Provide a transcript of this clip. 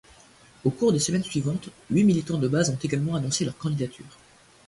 Au cours des semaines suivantes, huit militants de base ont également annoncé leur candidature.